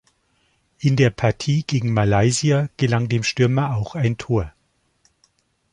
In der Partie gegen Malaysia gelang dem Stürmer auch ein Tor.